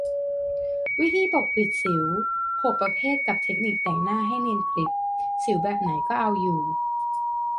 วิธีปกปิดสิว หก ประเภทกับเทคนิคแต่งหน้าให้เนียนกริบ สิวแบบไหนก็เอาอยู่